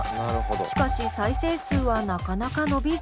しかし再生数はなかなか伸びず。